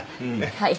はい。